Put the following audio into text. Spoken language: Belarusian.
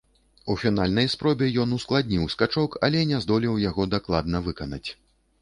У фінальнай спробе ён ускладніў скачок, але не здолеў яго дакладна выканаць.